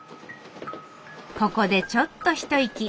ここでちょっと一息。